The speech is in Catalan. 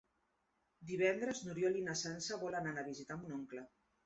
Divendres n'Oriol i na Sança volen anar a visitar mon oncle.